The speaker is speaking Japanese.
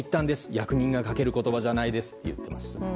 役人が書ける言葉じゃないですと言っています。